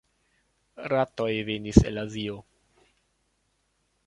Ratoj venis el Azio.